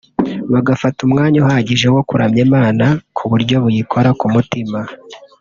bagafata umwanya uhagije wo kuramya Imana mu buryo buyikora ku mutima